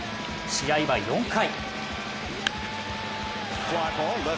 試合は４回。